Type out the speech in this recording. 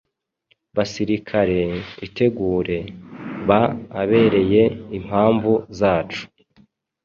Basirikare, itegure! Ba abereye impamvu zacu: